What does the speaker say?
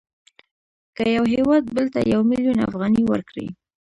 که یو هېواد بل ته یو میلیون افغانۍ ورکړي